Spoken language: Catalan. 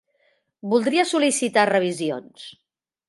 Voldria sol·licitar revisions.